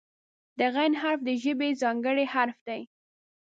د "غ" حرف د ژبې ځانګړی حرف دی.